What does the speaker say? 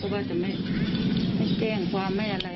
เพราะว่าจะไม่แจ้งความไม่อะไร